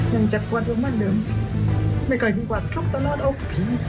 ยังจัดกวนประมาณเดิมไม่เคยมีความทุกข์ตลอดอุ้ง